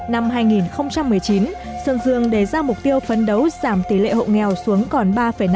năm hai nghìn một mươi chín sơn dương đề ra mục tiêu phấn đấu giảm tỷ lệ hộ nghèo xuống còn ba năm